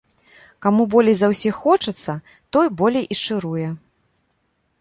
Каму болей за ўсіх хочацца, той болей і шчыруе.